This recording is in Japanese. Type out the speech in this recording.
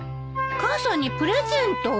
母さんにプレゼントを？